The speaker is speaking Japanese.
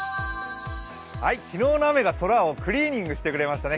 昨日の雨が空をクリーニングしてくれましたね。